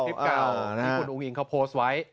ที่คุณอุงอิงเขาโพสต์ไว้